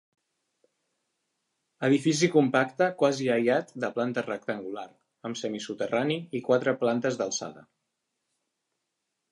Edifici compacte quasi aïllat de planta rectangular, amb semisoterrani, i quatre plantes d'alçada.